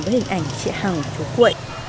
với hình ảnh chị hằng chú quỵ